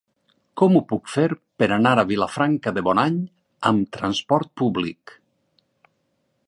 Com ho puc fer per anar a Vilafranca de Bonany amb transport públic?